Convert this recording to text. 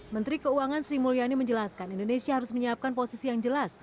menteri keuangan sri mulyani menjelaskan indonesia harus menyiapkan posisi yang jelas